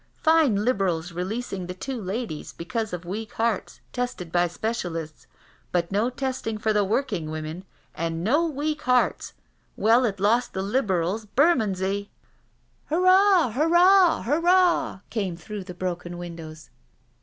Fine Liberals releasing the two ladies because of weak hearts, tested by specialist— but no testing for the work ing women, and no weak hearts 1 — Well, it lost the Liberals Bermondseyl*' " Hurrah 1 hurrah I hurrah I" came through the broken windows.